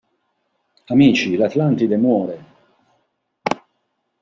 Amici, l'Atlantide muore!